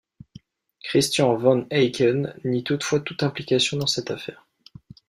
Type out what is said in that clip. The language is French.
Christian Van Eyken nie toutefois toute implication dans cette affaire.